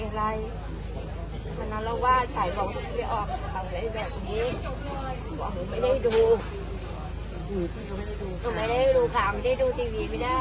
อะไรข้างหลายเนี่ยไม่เข้าใจเลย